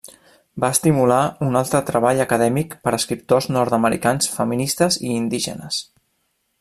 Va estimular un altre treball acadèmic per escriptors nord-americans feministes i indígenes.